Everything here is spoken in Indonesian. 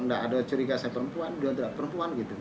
nggak ada curiga saya perempuan dia tidak perempuan gitu